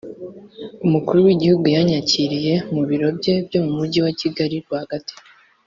umukuru w'igihugu yanyakiriye mu biro bye byo mu mujyi wa kigali rwagati.